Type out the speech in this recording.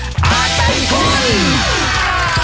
อาจารย์คุณ